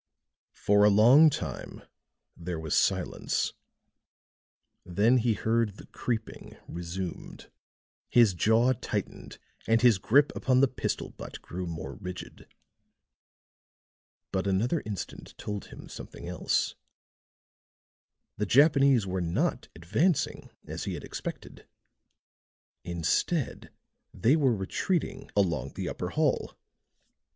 For a long time there was silence; then he heard the creeping resumed; his jaw tightened and his grip upon the pistol butt grew more rigid. But another instant told him something else. The Japanese were not advancing as he had expected; instead they were retreating along the upper hall.